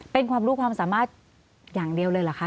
เป็นความรู้ความสามารถอย่างเดียวเลยเหรอคะ